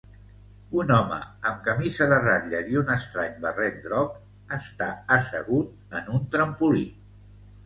Un home amb camisa de ratlles i un estrany barret groc està assegut en un trampolí.